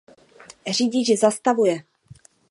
Řidič zastavuje.